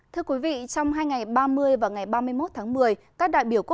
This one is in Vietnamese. thưa quý vị trong hai ngày ba mươi và ngày ba mươi một tháng một mươi